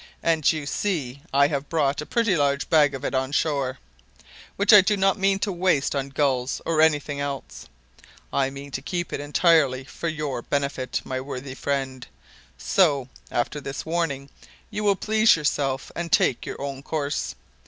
And, you see, I have brought a pretty large bag of it on shore, which I do not mean to waste on gulls, or anything else. I mean to keep it entirely for your benefit, my worthy friend so, after this warning, you will please yourself, and take your own course.